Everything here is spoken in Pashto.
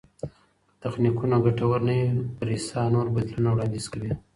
که تخنیکونه ګټور نه وي، پریسا نور بدیلونه وړاندیز کوي.